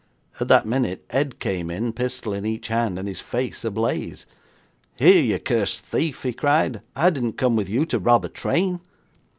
'At that minute Ed came in, pistol in each hand, and his face ablaze. '"Here, you cursed thief!" he cried, "I didn't come with you to rob a train!"